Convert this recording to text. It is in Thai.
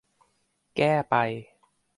แก้ไป